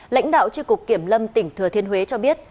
lãnh đạo tri cục kiểm lâm tỉnh thừa thiên huế cho biết